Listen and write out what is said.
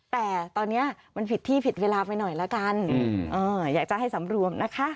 แต่ตอนนี้มันผิดที่ผิดเวลาไปหน่อยละกันอยากจะให้สำรวมนะคะ